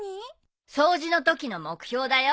掃除のときの目標だよ。